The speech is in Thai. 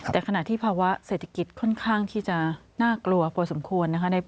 แต่ขณะที่ภาวะเศรษฐกิจค่อนข้างที่จะน่ากลัวพอสมควรนะคะ